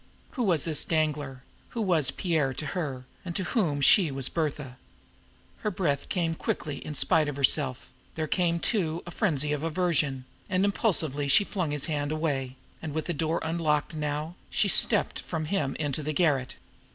Who was this Danglar, who was Pierre to her, and to whom she was Bertha? Her breath came quickly in spite of herself; there came, too, a frenzy of aversion, and impulsively she flung his hand away, and with the door unlocked now, stepped from him into the garret.